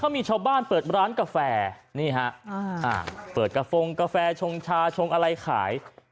มีชาวบ้านเปิดร้านกาแฟนี่ฮะเปิดกระฟงกาแฟชงชาชงอะไรขาย